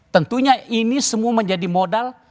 tentunya ini semua menjadi modal